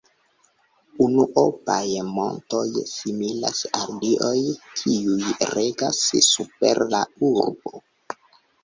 Unuopaj montoj similas al dioj, kiuj regas super la urbo.